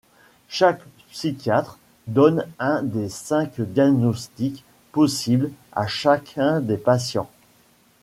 Chaque psychiatre donne un des cinq diagnostics possibles à chacun des patients.